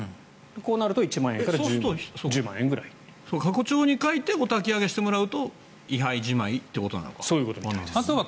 こうなると１万円から１０万円ぐらい。そうすると過去帳に書いておたき上げしてもらうと位牌じまいということなのか。